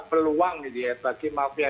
peluang bagi mafia